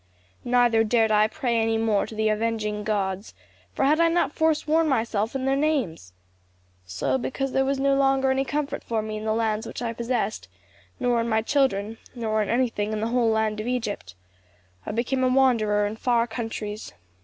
Neither dared I pray any more to the avenging gods; for had I not foresworn myself in their names? So, because there was no longer any comfort for me in the lands which I possessed, nor in my children, nor in anything in the whole land of Egypt, I became a wanderer in far countries.